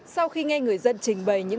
sau khi nghe người dân trình bày những nội dung